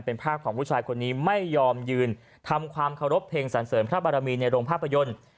เป็นภาพของผู้ชายคนนี้ไม่ยอมยืนทำความเคารพเพลงสันเสริมพระบารมีในโรงภาพยนตร์